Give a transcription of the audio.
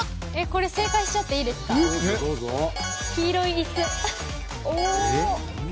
これ正解しちゃっていいですか？